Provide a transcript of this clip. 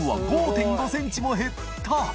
５ｃｍも減った！